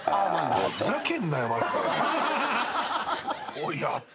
おいやった！